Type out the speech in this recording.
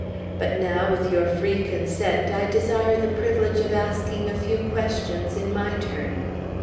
But now, with your free consent, I desire the privilege of asking a few questions, in my turn."